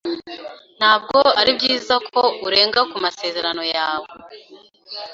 Ntabwo ari byiza ko urenga ku masezerano yawe.